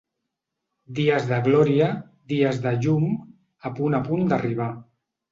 Dies de glòria, dies de llum, a punt a punt d’arribar.